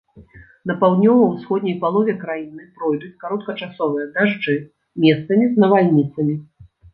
На паўднёва-ўсходняй палове краіны пройдуць кароткачасовыя дажджы, месцамі з навальніцамі.